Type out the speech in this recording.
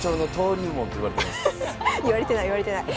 いわれてないいわれてない。